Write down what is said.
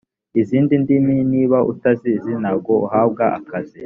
izindi ndimi niba utazizi ntago uhabwa akazi